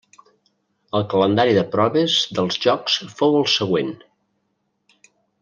El calendari de proves dels Jocs fou el següent.